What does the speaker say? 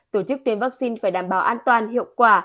tổ chức tiêm vaccine phải đảm bảo an toàn hiệu quả